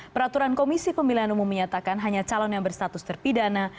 peraturan komisi pemilihan umum menyatakan hanya calon yang berstatus terpidana